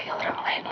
aku takut sama ma